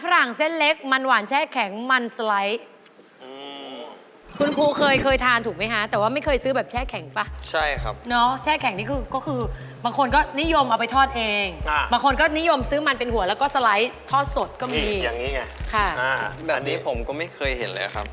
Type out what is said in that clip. มันเล็กมันหวานแช่แข็งมันสไลด์คุณครูเคยเคยทานถูกไหมคะแต่ว่าไม่เคยซื้อแบบแช่แข็งป่ะใช่ครับเนาะแช่แข็งนี่คือ